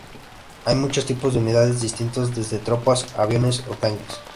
Hay muchos tipos de unidades distintos, desde tropas a aviones o tanques.